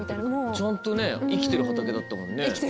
ちゃんとね生きてる畑だったもんね。